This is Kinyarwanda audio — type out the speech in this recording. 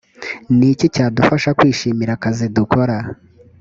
ni iki cyadufasha kwishimira akazi dukora